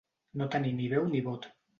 No tenir ni veu ni vot.